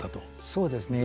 そうですね。